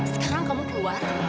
sekarang kamu keluar